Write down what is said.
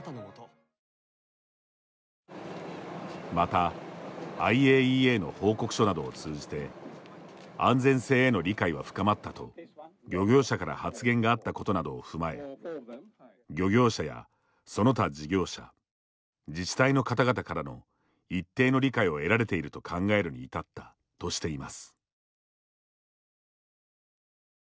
またＩＡＥＡの報告書などを通じて安全性への理解は深まったと漁業者から発言があったことなどを踏まえ漁業者やその他事業者自治体の方々からの一定の理解を得られていると考えるに至ったとしています。